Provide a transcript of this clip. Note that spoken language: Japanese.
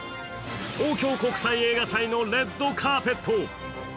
東京国際映画祭のレッドカーペット。